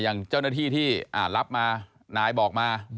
อย่างเจ้าหน้าที่ที่รับมานายบอกมา